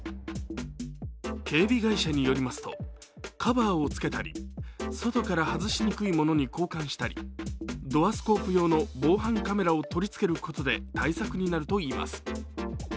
警備会社によりますと、カバーをつけたり、外から外しにくいものに交換したり、ドアスコープ用の防犯カメラを取り付けることで対策になるといいます。